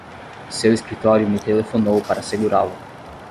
Seu escritório me telefonou para segurá-lo.